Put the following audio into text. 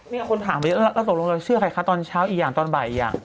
มีคนถามว่าเชื่อใครคะตอนเช้าอีกอย่างตอนบ่ายอีกอย่าง